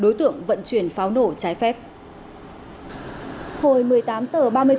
chuyển pháo nổ trái phép